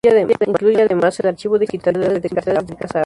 Incluye, además, el archivo digital de las actividades de Casa África.